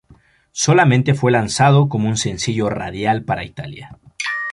Solamente fue lanzado como un sencillo radial para Italia.